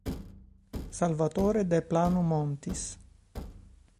Salvatore de Plano Montis.